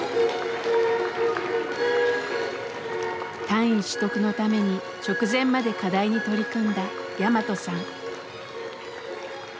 単位取得のために直前まで課題に取り組んだヤマトさん。